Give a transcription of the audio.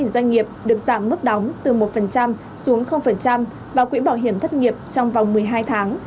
ba trăm tám mươi sáu doanh nghiệp được giảm mức đóng từ một xuống vào quỹ bảo hiểm thất nghiệp trong vòng một mươi hai tháng